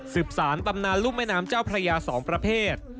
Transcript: สารตำนานรุ่มแม่น้ำเจ้าพระยา๒ประเภท